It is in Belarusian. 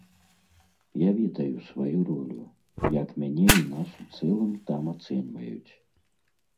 Я ведаю сваю ролю, як мяне і нас у цэлым там ацэньваюць.